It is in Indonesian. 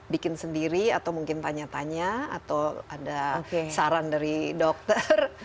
bikin sendiri atau mungkin tanya tanya atau ada saran dari dokter